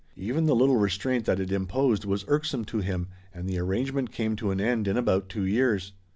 Even the little restraint that it imposed was irksome to him, and the arrangement came to an end in about two years.